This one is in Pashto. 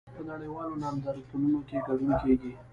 په نړیوالو نندارتونونو کې ګډون کیږي